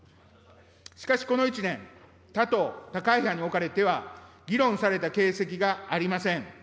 しかしこの１年、他党、他会派におかれては議論された形跡がありません。